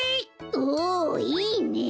おおいいねえ！